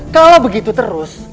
kalau begitu terus